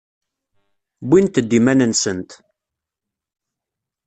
Wwint-d iman-nsent.